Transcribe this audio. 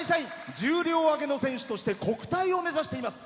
重量挙げの選手として国体を目指しています。